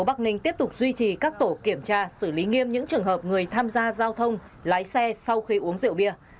bắc ninh tiếp tục duy trì các tổ kiểm tra xử lý nghiêm những trường hợp người tham gia giao thông lái xe sau khi uống rượu bia